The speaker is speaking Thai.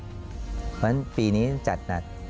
เพราะฉะนั้นปีนี้จัดหนัด